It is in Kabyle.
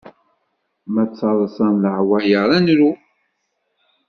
Ma ttaḍsan leɛwayeṛ, ad nru.